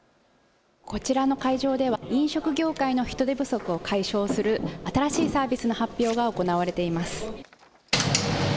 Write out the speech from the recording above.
こちらの会場では飲食業界の人手不足を解消する新しいサービスの発表が行われています。